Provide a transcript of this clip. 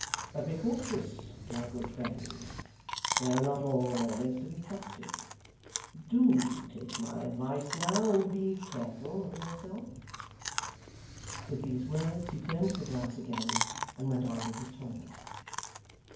But be cautious, my good friend. They are not always to be trusted. Do take my advice now, and be careful of yourself.' With these words he turned to the glass again, and went on with his toilet.